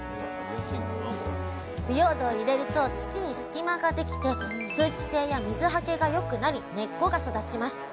腐葉土を入れると土に隙間ができて通気性や水はけがよくなり根っこが育ちます。